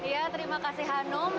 ya terima kasih hanum